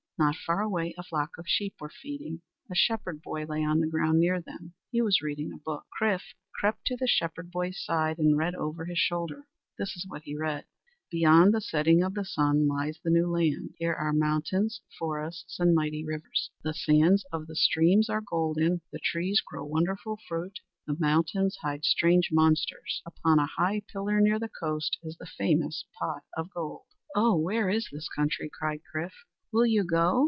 Not far away a flock of sheep were feeding. A shepherd boy lay on the ground near them. He was reading a book. Chrif crept to the shepherd boy's side and read over his shoulder. This is what he read: "Beyond the setting of the sun lies the New Land. Here are mountains, forests, and mighty rivers. The sands of the streams are golden; the trees grow wonderful fruit; the mountains hide strange monsters. Upon a high pillar near the coast is the famous pot of gold." "Oh, where is this country?" cried Chrif. "Will you go?"